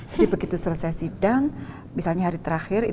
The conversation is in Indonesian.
jadi begitu selesai sidang misalnya hari terakhir